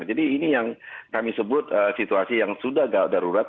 jadi ini yang kami sebut situasi yang sudah darurat